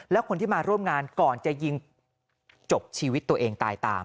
แล้วคนที่มาร่วมงานก่อนจะยิงจบชีวิตตัวเองตายตาม